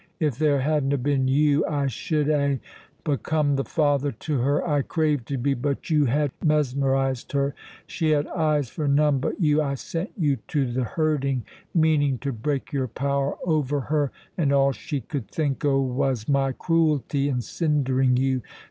If there hadna been you I should hae become the father to her I craved to be; but you had mesmerized her; she had eyes for none but you. I sent you to the herding, meaning to break your power over her, and all she could think o' was my cruelty in sindering you.